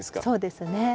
そうですね。